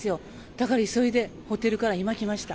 だから急いでホテルから今来ました。